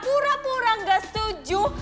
pura pura gak setuju